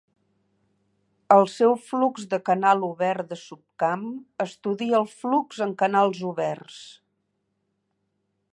El seu flux de canal obert de subcamp estudia el flux en canals oberts.